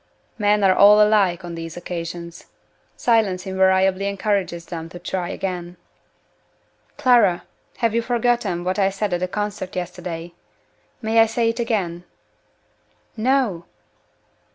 Men are all alike on these occasions. Silence invariably encourages them to try again. "Clara! have you forgotten what I said at the concert yesterday? May I say it again?" "No!"